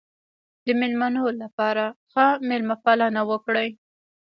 د مېلمنو لپاره ښه مېلمه پالنه وکړئ.